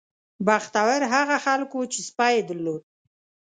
بختور هغه خلک وو چې سپی یې درلود.